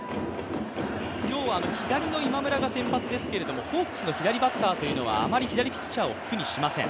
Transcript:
今日は左の今村が先発ですけれども、ホークスの左バッターというのはあまり左ピッチャーを苦にしません。